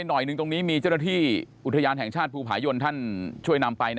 หน่อยหนึ่งตรงนี้มีเจ้าหน้าที่อุทยานแห่งชาติภูผายนท่านช่วยนำไป